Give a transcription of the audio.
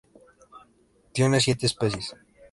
Tiene siete especies.